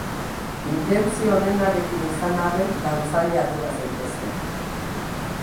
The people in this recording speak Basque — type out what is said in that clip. Intentzio onenarekin izan arren, galtzaile atera zaitezke.